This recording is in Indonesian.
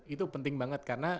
itu penting banget karena